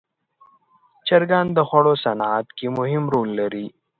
چرګان د خوړو صنعت کې مهم رول لري.